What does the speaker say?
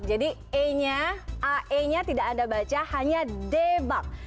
jadi e nya ae nya tidak anda baca hanya debak